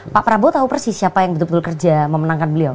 jadi dia tahu persis siapa yang betul betul kerja memenangkan beliau